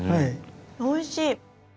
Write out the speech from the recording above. おいしい。